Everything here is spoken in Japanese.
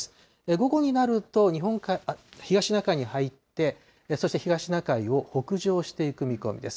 午後になると、東シナ海に入って、そして東シナ海を北上していく見込みです。